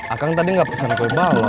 akang tadi gak pesen gue balok